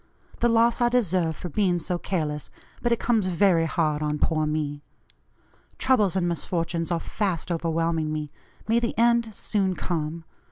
The loss I deserve for being so careless, but it comes very hard on poor me. Troubles and misfortunes are fast overwhelming me; may the end soon come.